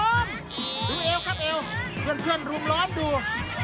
ดูเอวครับเอวเพื่อนรุมร้อนดู